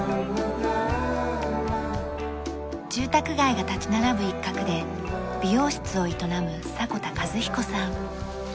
住宅街が立ち並ぶ一角で美容室を営む迫田一彦さん。